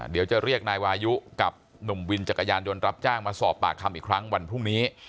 เดี๋ยวจะเรียกนายวายุกับหนุ่มวินจักรยานยนต์รับจ้างมาสอบปากคำอีกครั้งวันพรุ่งนี้